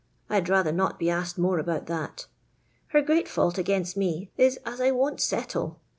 I 'd rather not be asked more about that Her great foolt against me is as I won't settle.